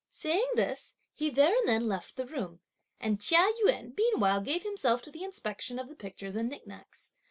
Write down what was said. Saying this he there and then left the room; and Chia Yün meanwhile gave himself to the inspection of the pictures and nicknacks.